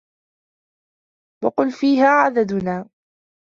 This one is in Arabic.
وَقَلَّ فِيهَا عَدَدُنَا